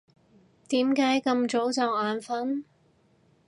點解咁早就眼瞓？